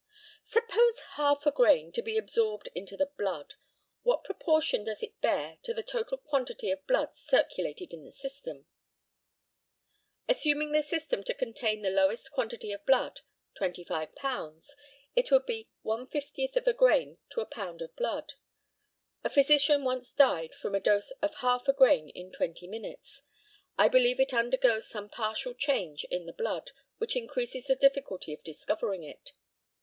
Suppose half a grain to be absorbed into the blood, what proportion does it bear to the total quantity of blood circulated in the system? Assuming the system to contain the lowest quantity of blood, 25lbs., it would be 1 50th of a grain to a pound of blood. A physician once died from a dose of half a grain in twenty minutes. I believe it undergoes some partial change in the blood, which increases the difficulty of discovering it.